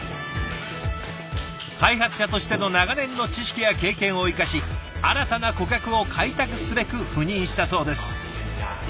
開発者としての長年の知識や経験を生かし新たな顧客を開拓すべく赴任したそうです。